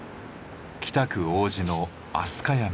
北区王子の飛鳥山。